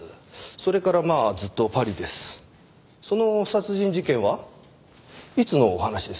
その殺人事件はいつのお話です？